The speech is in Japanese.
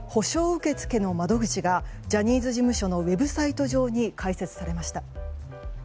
受け付けの窓口がジャニーズ事務所のウェブサイト上に開設されました。